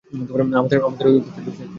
আমাদের অফিসার বেঁচে আছে।